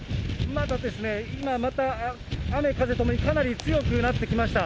今また、雨風ともにかなり強くなってきました。